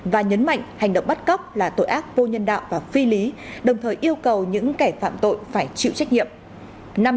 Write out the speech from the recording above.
và nhấn mạnh hành động bắt cóc là tội ác vô nhân đạo và phi lý đồng thời yêu cầu những kẻ phạm tội phải chịu trách nhiệm